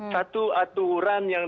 satu aturan yang